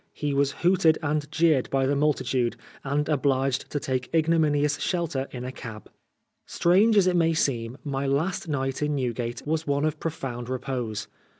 He was hooted and jeered by the multitude, and obliged to take igno minious shelter in a cab. Strange as it may seem, my last night in Newgate was one of profound repose.